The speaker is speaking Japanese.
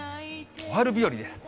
小春日和です。